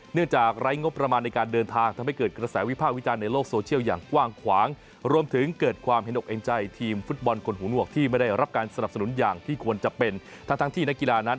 เนื่องจากรายงบประมาณในการเดินทางทำให้เกิดกระแสวิบห้ากวิจารณ์